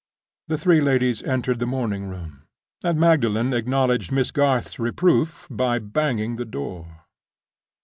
The three ladies entered the morning room; and Magdalen acknowledged Miss Garth's reproof by banging the door.